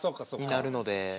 になるので。